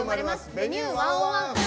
「Ｖｅｎｕｅ１０１」。